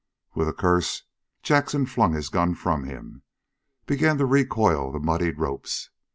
With a curse Jackson flung his gun from him, began to recoil the muddied ropes.